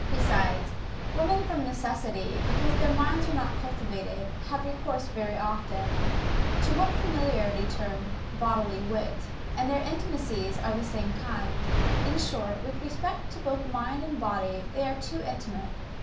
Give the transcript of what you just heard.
Besides, women from necessity, because their minds are not cultivated, have recourse very often, to what I familiarly term bodily wit; and their intimacies are of the same kind. In short, with respect to both mind and body, they are too intimate.